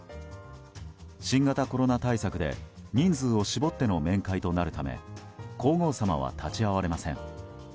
新型コロナ対策で人数を絞っての面会となるため皇后さまは立ち会われません。